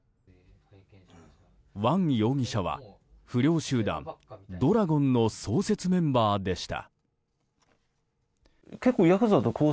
ワン容疑者は、不良集団怒羅権の創設メンバーでした。